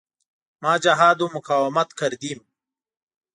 ما جهاد و مقاومت کردیم.